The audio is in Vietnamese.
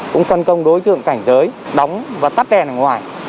cũng phân công đối tượng cảnh giới đóng và tắt đèn ở ngoài